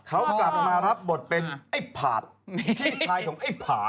เขากลับมารับบทเป็นไอ้ผาดพี่ชายของไอ้ผา